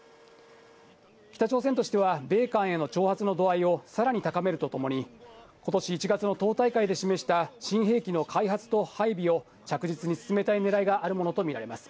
北朝鮮としては米韓への挑発の度合いをさらに高めるとともに、ことし１月の党大会で示した新兵器の開発と配備を着実に進めたいねらいがあるものと見られます。